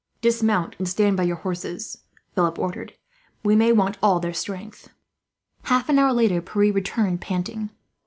"Dismount and stand by your horses," Philip ordered. "We may want all their strength." Half an hour later Pierre returned, panting.